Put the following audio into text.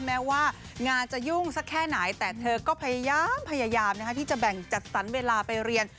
แม้ว่างานจะยุ่งสักแค่ไหนแต่เธอก็พยายามที่จะแบ่งจัดสรรเวลาไปเรียน